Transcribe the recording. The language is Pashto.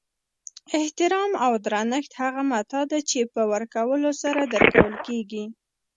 احترام او درنښت هغه متاع ده چی په ورکولو سره درکول کیږي